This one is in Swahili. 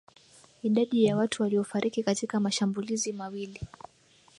idadi ya watu waliofariki katika mashambulizi mawili